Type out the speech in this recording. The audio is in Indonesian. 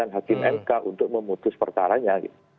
hakim mk untuk memutus perkaranya